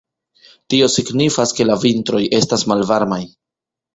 Tio signifas ke la vintroj estas malvarmaj.